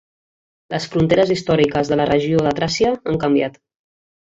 Les fronteres històriques de la regió de Tràcia han canviat.